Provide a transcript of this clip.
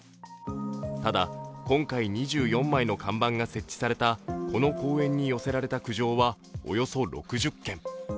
ただ、今回２４枚の看板が設置されたこの公園に寄せられた苦情はおよそ６０件。